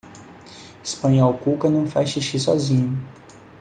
Espanhol Cuca não faz xixi sozinho.